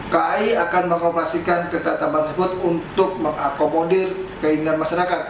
kai akan mengoperasikan kereta tambahan tersebut untuk mengakomodir keinginan masyarakat